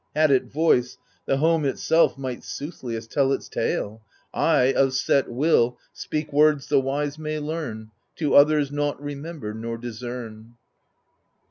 Had it voice, The home itself might soothliest tell its tale ; I, of set will, speak words the wise may learn, To others, nought remember nor discern.